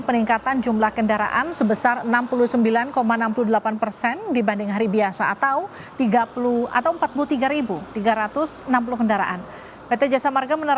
peningkatan diperkirakan terus terjadi hingga hari ini